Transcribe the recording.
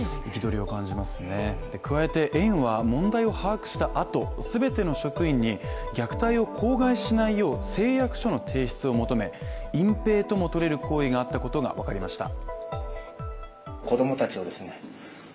憤りを感じますね、加えて園は問題を把握したあと、全ての職員に虐待を口外しないよう誓約書の提出を求め隠蔽ともとれる行為があったことが分かりました。